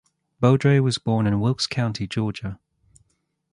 Bowdre was born in Wilkes County, Georgia.